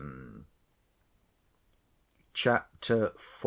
Chapter IV.